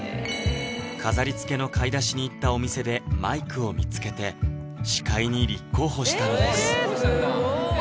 飾りつけの買い出しに行ったお店でマイクを見つけて司会に立候補したのです